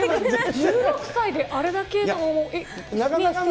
１６歳であれだけの。